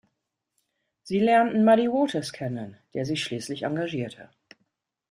Sie lernten Muddy Waters kennen, der sie schließlich engagierte.